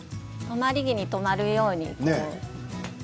止まり木に止まるように。